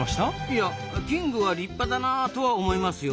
いやキングは立派だなとは思いますよ。